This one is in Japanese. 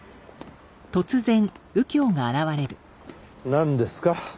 なんですか？